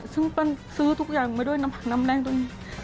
ซึ่งเปิ้ลซื้อทุกอย่างมาด้วยน้ำผักน้ำแรงตรงนี้